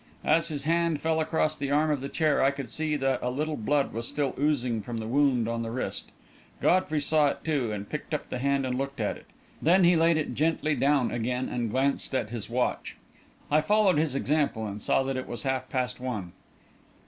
As his hand fell across the arm of the chair, I could see that a little blood was still oozing from the wound on the wrist. Godfrey saw it, too, and picked up the hand and looked at it. Then he laid it gently down again and glanced at his watch. I followed his example, and saw that it was half past one.